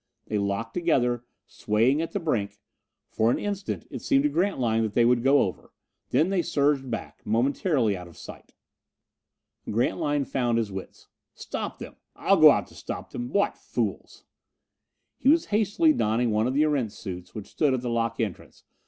They locked together, swaying at the brink. For an instant it seemed to Grantline that they would go over; then they surged back, momentarily out of sight. Grantline found his wits. "Stop them! I'll go out to stop them! What fools!" He was hastily donning one of the Erentz suits which stood at the lock entrance.